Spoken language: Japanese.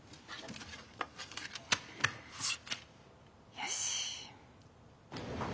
よし。